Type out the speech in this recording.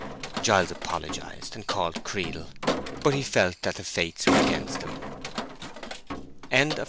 Giles apologized and called Creedle; but he felt that the Fates were against him. CHAPTER X.